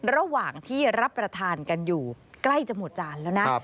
ระหว่างที่รับประทานกันอยู่ใกล้จะหมดจานแล้วนะ